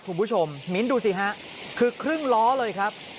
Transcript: คุณผู้ชมมิ้นดูสิฮะคือครึ่งล้อเลยครับ